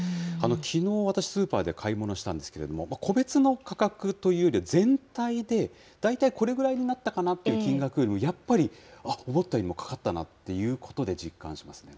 きのう、私スーパーで買い物したんですけれども、個別の価格というよりは、全体で、大体これぐらいになったかなという金額より、やっぱり、あっ、思ったよりもかかったなということで、実感しますね。